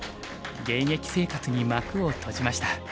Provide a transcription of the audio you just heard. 現役生活に幕を閉じました。